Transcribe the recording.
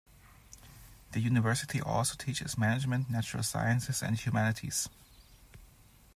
The university also teaches management, natural sciences, and humanities.